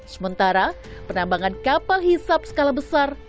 sementara penambangan kapal hisap skala besar